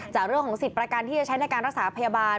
จากเรื่องของสิทธิ์ประกันที่จะใช้ในการรักษาพยาบาล